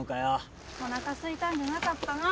おなかすいたんじゃなかったの？